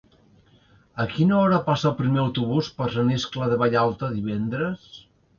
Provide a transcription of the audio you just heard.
A quina hora passa el primer autobús per Sant Iscle de Vallalta divendres?